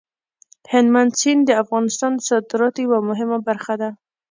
هلمند سیند د افغانستان د صادراتو یوه مهمه برخه ده.